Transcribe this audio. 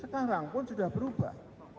sekarang pun sudah berubah